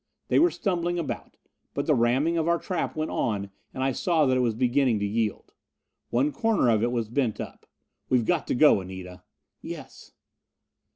They were stumbling about. But the ramming of our trap went on, and I saw that it was beginning to yield. One corner of it was bent up. "We've got to go, Anita!" "Yes."